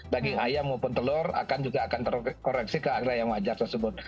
daging ayam maupun telur akan juga akan terkoreksi ke harga yang wajar tersebut